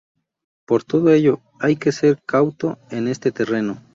Por todo ello hay que ser cauto en este terreno.